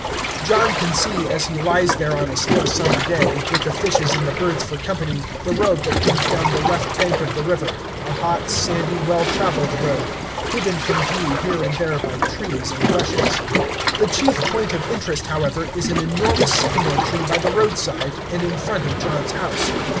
John can see as he lies there on a still summer day, with the fishes and the birds for company, the road that comes down the left bank of the river, a hot, sandy, well traveled road, hidden from view here and there by trees and bushes. The chief point of interest, however, is an enormous sycamore tree by the roadside and in front of John's house.